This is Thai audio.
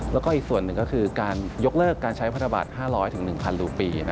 แล้วก็อีกส่วนหนึ่งก็คือการยกเลิกการใช้พันธบัตร๕๐๐๑๐๐รูปี